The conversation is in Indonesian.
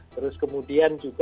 terus kemudian juga